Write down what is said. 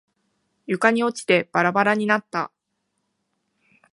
床に落ちてバラバラになった。